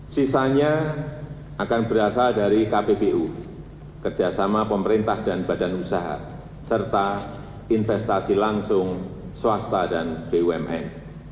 sisanya akan berasal dari kpbu kerjasama pemerintah dan badan usaha serta investasi langsung swasta dan bumn